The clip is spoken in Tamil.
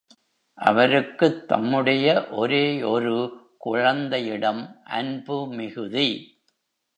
அவருக்குத் தம்முடைய ஒரே ஒரு குழந்தையிடம் அன்பு மிகுதி.